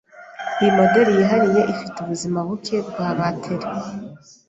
Iyi moderi yihariye ifite ubuzima buke bwa bateri.